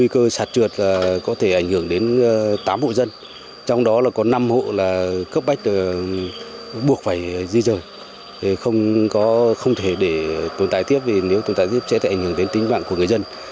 cấp bách buộc phải di rời không thể để tồn tại tiếp vì nếu tồn tại tiếp sẽ ảnh hưởng đến tính mạng của người dân